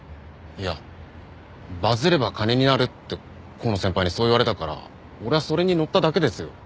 いやバズれば金になるって香野先輩にそう言われたから俺はそれにのっただけですよ。